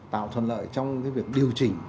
tạo thuận lợi trong việc điều chỉnh